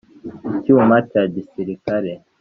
icyuma cya gisirikare